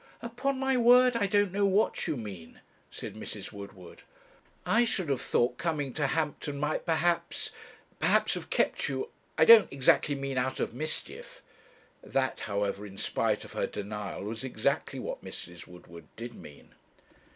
'Upon my word I don't know what you mean,' said Mrs. Woodward. 'I should have thought coming to Hampton might perhaps perhaps have kept you I don't exactly mean out of mischief.' That, however, in spite of her denial, was exactly what Mrs. Woodward did mean.